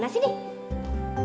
tuh udah nyuruh saya